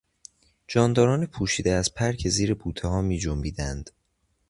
جانداران پوشیده از پر که زیر بوتهها میجنبیدند